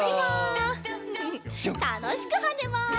たのしくはねます。